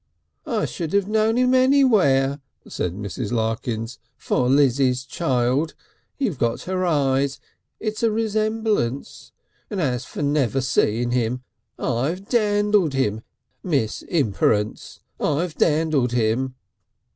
"I should 'ave known 'im anywhere," said Mrs. Larkins, "for Lizzie's child. You've got her eyes! It's a Resemblance! And as for never seeing 'im I've dandled him, Miss Imperence. I've dandled him."